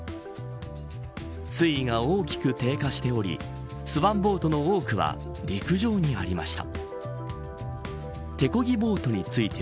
水位が大きく低下しておりスワンボートの多くは陸上にありました。